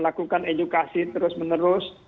melakukan edukasi terus menerus